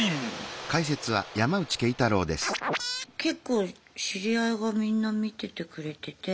結構知り合いがみんな見ててくれてて。